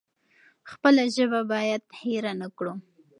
خپله ژبه بايد هېره نکړو.